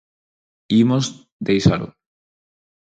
Imos deixalo.